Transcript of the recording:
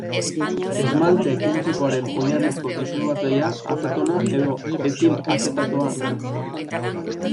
Esmalte-kentzekoaren oinarrizko disolbatzailea azetona edo etil azetatoa da.